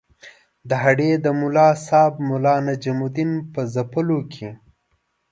د هډې د ملاصاحب ملا نجم الدین په ځپلو کې.